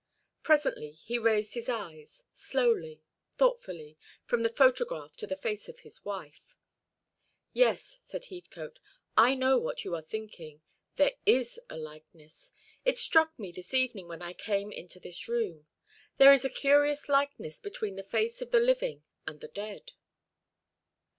Presently he raised his eyes, slowly, thoughtfully, from the photograph to the face of his wife. "Yes," said Heathcote, "I know what you are thinking. There is a likeness. It struck me this evening when I came into this room. There is a curious likeness between the face of the living and the dead."